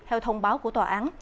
theo thông báo của tòa án